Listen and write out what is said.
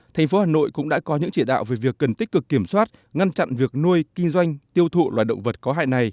thành phố hà nội cũng đã có những chỉ đạo về việc cần tích cực kiểm soát ngăn chặn việc nuôi kinh doanh tiêu thụ loài động vật có hại này